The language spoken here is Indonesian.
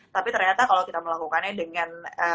tapi ternyata kalau kita melakukannya dengan